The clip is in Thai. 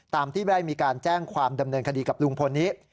ตามที่ได้มีการแจ้งความดำเนินคดีกับลุงพลนี้